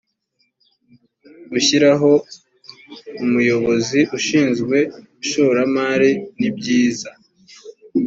gushyiraho umuyobozi ushinzwe ishoramari nibyiza